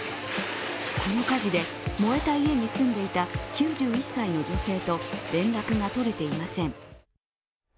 この火事で、燃えた家に住んでいた９１歳の女性と連絡が取れていません。